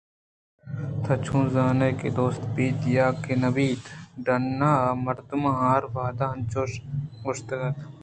تو چون زانئےکہ دوست بیت یاکہ نہ بیت؟ ڈنّ ء ِمردماں ہر وہد انچوش گوٛشتگ